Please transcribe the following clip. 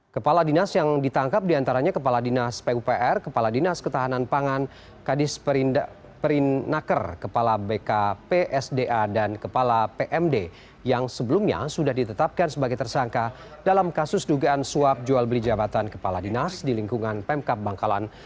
kepala dinas yang ditangkap diantaranya kepala dinas pupr kepala dinas ketahanan pangan kadis perinnaker kepala bkpsda dan kepala pmd yang sebelumnya sudah ditetapkan sebagai tersangka dalam kasus dugaan suap jual beli jabatan kepala dinas di lingkungan pemkap bangkalan